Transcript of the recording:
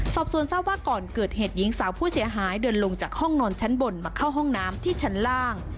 สอบสวนทราบว่าก่อนเกิดเหตุหญิงสาวผู้เสียหายเดินลงจากห้องนอนชั้นบนมาเข้าห้องน้ำที่ชั้นล่าง